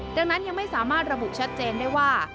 ดังนั้นยังไม่สามารถระบุชัดเจนได้ว่า